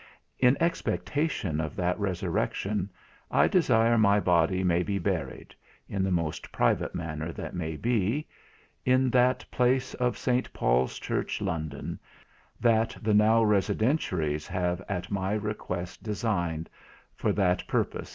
In expectation of that Resurrection, I desire my body may be buried in the most private manner that may be in that place of St. Paul's Church, London, that the now Residentiaries have at my request designed for that purpose, &c.